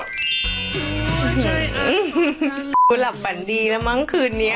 กูหลับฝันดีแล้วมั้งคืนนี้